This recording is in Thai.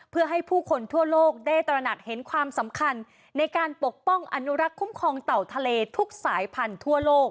เพื่อให้ผู้คนทั่วโลกได้ตระหนักเห็นความสำคัญในการปกป้องอนุรักษ์คุ้มครองเต่าทะเลทุกสายพันธุ์ทั่วโลก